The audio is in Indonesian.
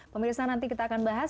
pemirsa nanti kita akan bahas